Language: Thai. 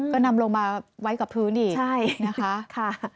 ก็นำลงมาไว้กับพื้นอีกใช่นะคะ